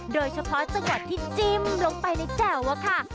โดยเฉพาะจังหวัดที่จิ้มลงไปในแจ่วอะค่ะ